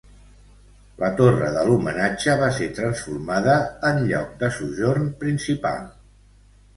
La torre de l'homenatge va ser transformada en lloc de sojorn principal.